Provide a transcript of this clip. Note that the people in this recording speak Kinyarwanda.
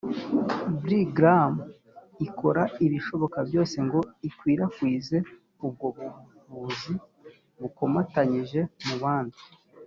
brigham ikora ibishoboka byose ngo ikwirakwize ubwo buvuzi bukomatanyije mu bandi